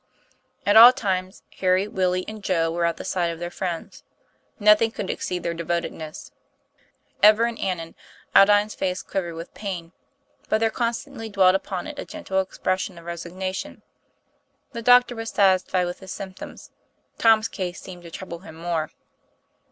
At all times, Harry, \Villie, and Joe were at the side of their friends. Nothing could exceed their devotedness. Ever and anon Aldine's face quiv ered with pain, but there constantly dwelt upon it a gentle expression of resignation. The doctor was satisfied with his symptoms. Tom's case seemed to trouble him more.